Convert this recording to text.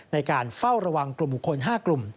ในการเฝ้าระวังกลุ่มบุคคล๕กลุ่ม